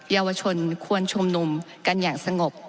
เยาวชนควรชุมนุมกันอย่างสงบ